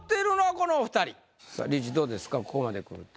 ここまでくると。